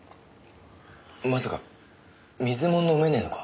まさか水も飲めねぇのか？